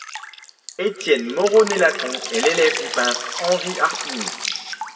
Étienne Moreau-Nélaton est l'élève du peintre Henri Harpignies.